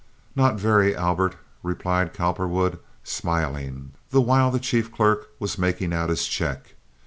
"Not very, Albert," replied Cowperwood, smiling, the while the chief clerk was making out his check.